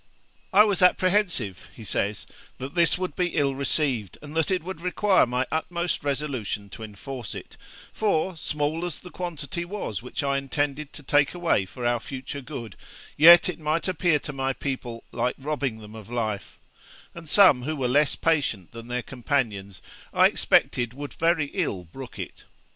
'I was apprehensive,' he says, 'that this would be ill received, and that it would require my utmost resolution to enforce it; for, small as the quantity was which I intended to take away for our future good, yet it might appear to my people like robbing them of life; and some who were less patient than their companions, I expected would very ill brook it.